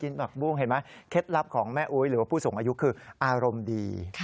ผักบุ้งเห็นไหมเคล็ดลับของแม่อุ๊ยหรือว่าผู้สูงอายุคืออารมณ์ดี